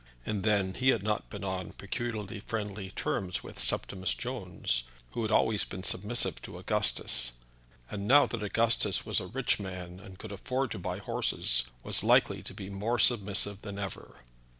And then he had not been on peculiarly friendly terms with Septimus Jones, who had always been submissive to Augustus; and, now that Augustus was a rich man and could afford to buy horses, was likely to be more submissive than ever.